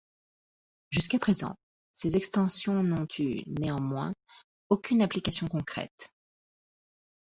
Jusqu'à présent, ces extensions n'ont eu, néanmoins, aucune application concrète.